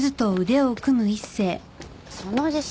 その自信